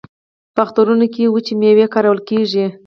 په اخترونو کې وچې میوې کارول کیږي.